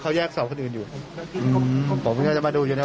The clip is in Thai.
เขาแลกพิสูจน์อยู่ผมหาไม่เจอน่าจะอยู่ในนี้น่ะ